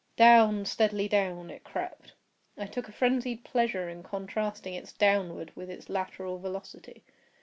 Down—steadily down it crept. I took a frenzied pleasure in contrasting its downward with its lateral velocity.